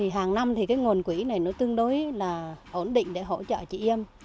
hàng năm nguồn quỹ này tương đối ổn định để hỗ trợ chị em